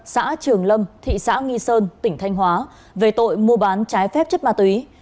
xã trường lâm thị xã nghi sơn tỉnh thanh hóa về tội mua bán trái phép chất ma túy